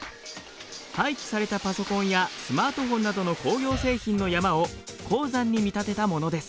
廃棄されたパソコンやスマートフォンなどの工業製品の山を鉱山に見立てたものです。